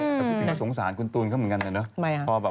หรือไม่ที่ไม่สงสารคุณตูนเขาเหมือนกันน่ะน่ะ